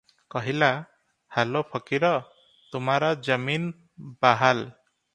କହିଲା - ହାଲୋ ଫକୀର, ତୁମାରା ଜମିନ୍ ବାହାଲ ।"